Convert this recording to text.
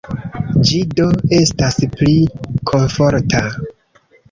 Ĝi do estas pli komforta.